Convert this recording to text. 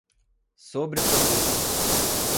sobreproduto